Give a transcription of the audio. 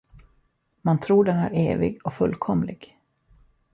Man tror den är evig och fullkomlig.